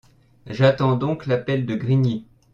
J’attends donc l’appel de Grigny.